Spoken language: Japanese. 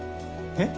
えっ？